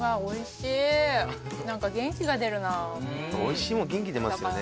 おいしいもん元気出ますよね。